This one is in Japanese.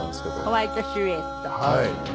『ホワイト・シルエット』。